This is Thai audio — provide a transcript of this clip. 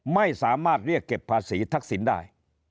ไม่สามารถเรียกเก็บภาษีทักษิณได้